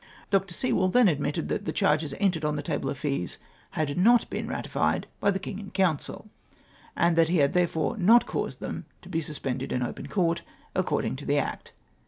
Dr. Sewell then admitted that tlie charo:es entered on the table of fees Itad not been ratified by the King in Council ! and that he had tliere fore not caused them to be suspended in open Court, according to the Act.